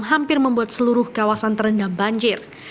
hampir membuat seluruh kawasan terendam banjir